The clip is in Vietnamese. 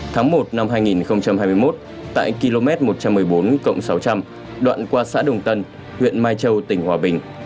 tháng một năm hai nghìn hai mươi một tại km một trăm một mươi bốn sáu trăm linh đoạn qua xã đồng tân huyện mai châu tỉnh hòa bình